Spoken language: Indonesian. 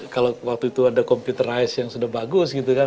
kalau waktu itu ada computerize yang sudah bagus gitu kan